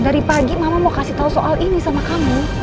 dari pagi mama mau kasih tahu soal ini sama kamu